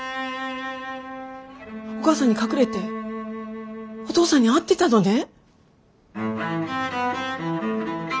お母さんに隠れてお父さんに会ってたのね？